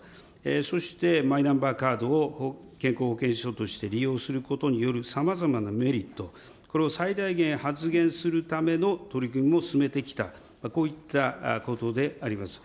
そして、マイナンバーカードを健康保険証として利用することによるさまざまなメリット、これを最大限発言するための取り組みも進めてきた、こういったことであります。